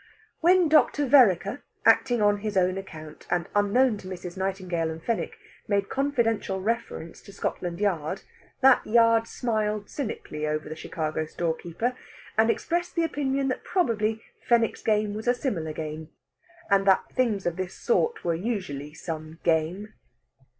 When Dr. Vereker, acting on his own account, and unknown to Mrs. Nightingale and Fenwick, made confidential reference to Scotland Yard, that Yard smiled cynically over the Chicago storekeeper, and expressed the opinion that probably Fenwick's game was a similar game, and that things of this sort were usually some game.